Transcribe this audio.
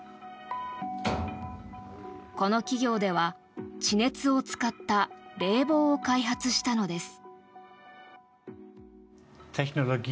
この企業では地熱を使った冷房を開発したのです。